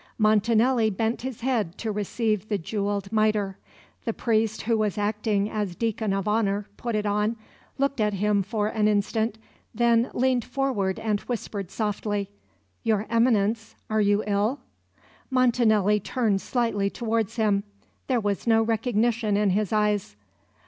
Montanelli bent his head to receive the jewelled mitre. The priest who was acting as deacon of honour put it on, looked at him for an instant, then leaned forward and whispered softly: "Your Eminence, are you ill?" Montanelli turned slightly towards him. There was no recognition in his eyes.